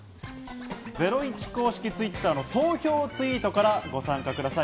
ゼロイチ公式Ｔｗｉｔｔｅｒの投票ツイートからご参加ください。